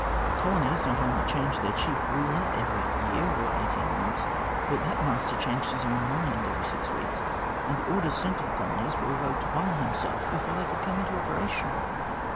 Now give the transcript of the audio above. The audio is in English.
The colonies not only changed their chief ruler every year or eighteen months, but that master changed his own mind every six weeks, and the orders sent to the colonies were revoked by himself before they could come into operation.